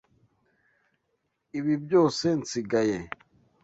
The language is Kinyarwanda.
Ibi byose nsigaye.